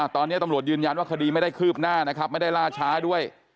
ตอนนี้ตำรวจยืนยันว่าคดีไม่ได้คืบหน้านะครับไม่ได้ล่าช้าด้วย